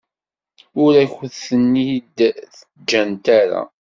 Ur akent-ten-id-ǧǧant ara.